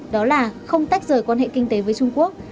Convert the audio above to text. đó là không tách rời quan hệ kinh tế với trung quốc